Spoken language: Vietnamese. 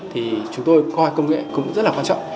thì chúng tôi coi công nghệ cũng rất là quan trọng